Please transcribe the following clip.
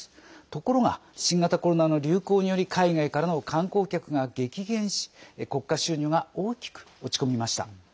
ところが新型コロナの流行により海外からの観光客が激減し国家収入が大きく落ち込みました。